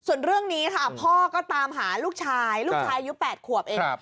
ส่วนเรื่องนี้ค่ะพ่อก็ตามหาลูกชายลูกชายอายุ๘ขวบเอง